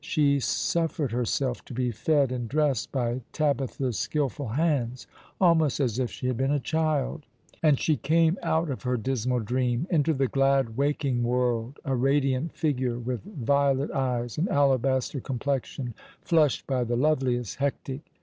She suffered herself to be fed and dressed by Tabitha's skilful hands, almost as if she had been a child ; and she came out of her dismal dream into the glad waking world, a radiant figure, with violet eyes and alabaster complexion, flushed by the loveliest hectic.